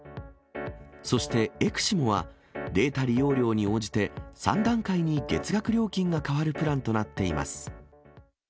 そしてエクシモはデータ利用量に応じて、３段階に月額料金が変わるプランとなっています。